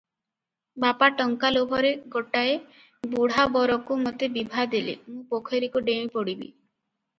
ବାପା ଟଙ୍କା ଲୋଭରେ ଗୋଟାଏ ବୁଢ଼ା ବରକୁ ମୋତେ ବିଭା ଦେଲେ ମୁଁ ପୋଖରୀକୁ ଡେଇଁ ପଡ଼ିବି ।"